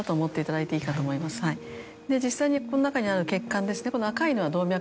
実際にこの中にある血管ですね。